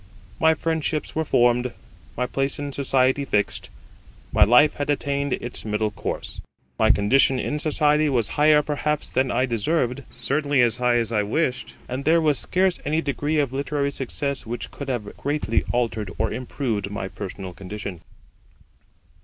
My friendships were formed, my place in society fixed, my life had attained its middle course. My condition in society was higher perhaps than I deserved, certainly as high as I wished, and there was scarce any degree of literary success which could have greatly altered or improved my personal condition.